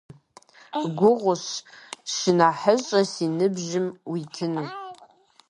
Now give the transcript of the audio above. Гугъущ, шынэхъыщӀэ, си ныбжьым уитыну.